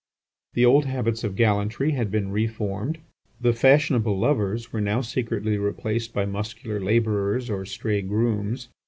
The old habits of gallantry had been reformed, Tut fashionable lovers were now secretly replaced by muscular labourers or stray grooms.